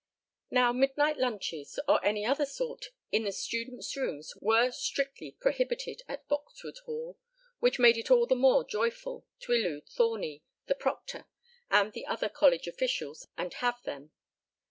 Now midnight lunches, or any other sort, in the students' rooms were strictly prohibited at Boxwood Hall, which made it all the more joyful to elude "Thorny," the proctor, and the other college officials, and have them.